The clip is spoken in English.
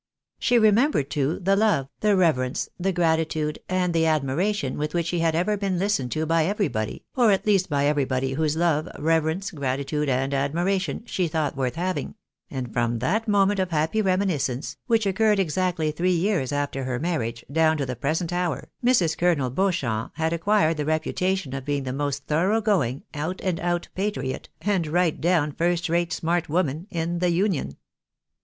She remembered too, the love, the rever ence, the gratitude, and the admiration with which he had ever been listened to by everybody, or at least by everybody whose love, reverence, gratitude, and admiration, she thought worth having ; and from that moment of happy reminiscence, which occurred ex actly three years after her marriage, down to the present hour, Mrs. Colonel Beauchamp had acquired the reputation of being the most thorough going, out and out patriot, and right down, first rate smart woman in the Union.